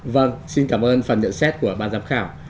vâng xin cảm ơn phần nhận xét của ban giám khảo